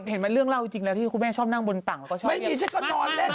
เออมีเรื่องอุบาทคนนั้นอีกเธอจะเชื่อเล่าให้ฟัง